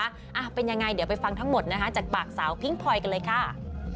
อ่ะเป็นยังไงเดี๋ยวไปฟังทั้งหมดนะคะจากปากสาวพิ้งพลอยกันเลยค่ะ